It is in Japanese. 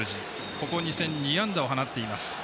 ここ２戦、２安打を放っています。